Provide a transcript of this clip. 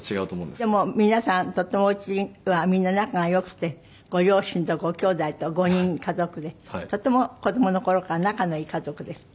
でも皆さんとてもお家はみんな仲がよくてご両親とごきょうだいと５人家族でとても子供の頃から仲のいい家族ですって？